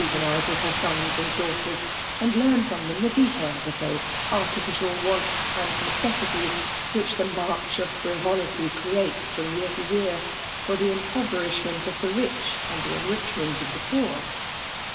eiiize vrith her sons and daughters, and learn from tiiem th^ detafls of those artificial wants and necessities which the march of friine^tj creates, from year to year, for the impovexishment of the rich and the enrichment of the poor.